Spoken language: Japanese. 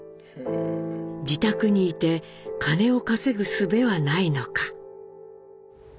自宅にいて金を稼ぐすべはないのか？